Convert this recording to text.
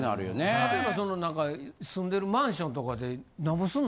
例えばその住んでるマンションとかでなんぼすんの？